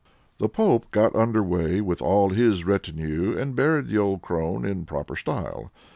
The pope got under weigh with all his retinue, and buried the old crone in proper style.